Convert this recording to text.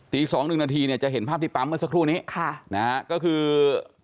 สองหนึ่งนาทีเนี่ยจะเห็นภาพที่ปั๊มเมื่อสักครู่นี้ค่ะนะฮะก็คือ